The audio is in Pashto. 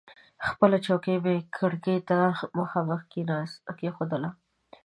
خپله چوکۍ مې کړکۍ ته مخامخ کېښودله.